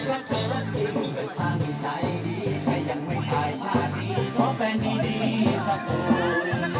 รักไปรักจริงแต่พังใจดีแต่ยังไม่ตายชาติดีเพราะแฟนดีดีสักคน